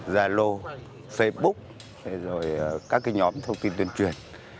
zalo facebook các nhóm thông tin tuyên truyền